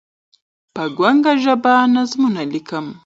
په ګونګه ژبه نظمونه لیکم